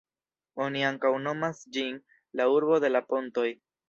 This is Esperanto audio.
Oni ankaŭ nomas ĝin "La urbo de la pontoj".